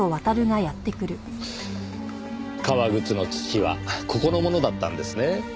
革靴の土はここのものだったんですね。